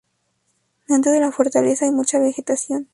Dentro de la fortaleza hay mucha vegetación.